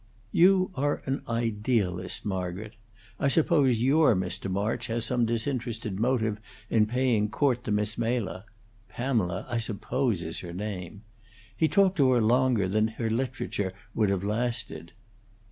"You are an idealist, Margaret. I suppose your Mr. March has some disinterested motive in paying court to Miss Mela Pamela, I suppose, is her name. He talked to her longer than her literature would have lasted."